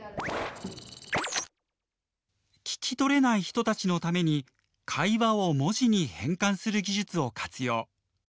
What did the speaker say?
聞きとれない人たちのために会話を文字に変換する技術を活用。